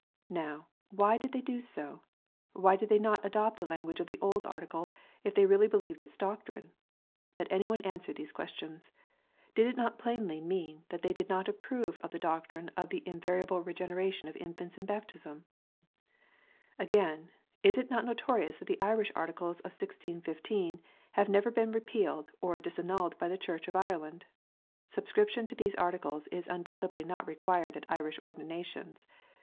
Now, why did they do sol Why did they not adopt the language of the old Article, if they really believed its doctrine? Let any one answer these questions. Did it not j plainly mean that they did not approve of the doctrine of the [ invariable Regeneration of infants in baptism 1 Again, is it not notorious that the Irish Articles of 1615 have never been repealed or disannulled by the Church of Ireland 1 Subscription to these Articles is undoubtedly not required at Irish ordinations.